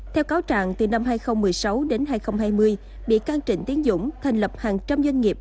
theo cáo trạng từ năm hai nghìn một mươi sáu đến hai nghìn hai mươi bị can trịnh tiến dũng thành lập hàng trăm doanh nghiệp